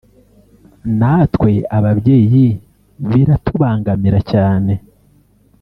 natwe ababyeyi biratubangamira cyane